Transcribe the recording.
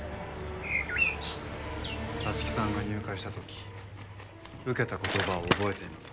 立木さんが入会した時受けた言葉を覚えていますか？